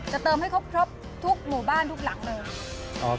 เติมให้ครบทุกหมู่บ้านทุกหลังเลย